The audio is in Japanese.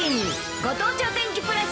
ご当地お天気プラス。